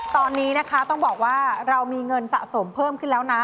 ตอนนี้นะคะต้องบอกว่าเรามีเงินสะสมเพิ่มขึ้นแล้วนะ